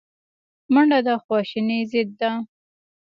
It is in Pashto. منډه د خواشینۍ ضد ده